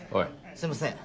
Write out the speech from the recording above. すいません。